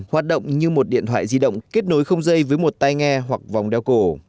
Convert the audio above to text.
hoạt động như một điện thoại di động kết nối không dây với một tay nghe hoặc vòng đeo cổ